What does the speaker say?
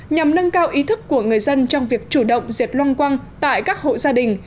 nhằm nâng cao ý thức của người dân trong việc chủ động diệt loang quang tại các hộ gia đình